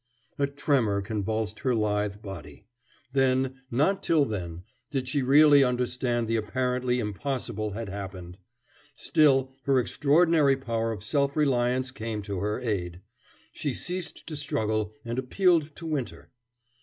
A tremor convulsed her lithe body. Then, and not till then, did she really understand that the apparently impossible had happened. Still, her extraordinary power of self reliance came to her aid. She ceased to struggle, and appealed to Winter.